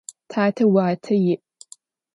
Tate vuate yi'.